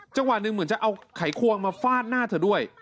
จังหวะหนึ่งเหมือนจะเอาไขควงมาฟาดหน้าเธอด้วย